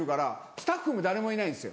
スタッフも誰もいないんですよ。